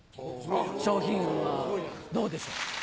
賞品はどうでしょう？